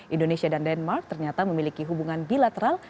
indonesia dan denmark ternyata memiliki hubungan bilateral